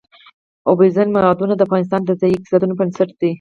اوبزین معدنونه د افغانستان د ځایي اقتصادونو بنسټ دی.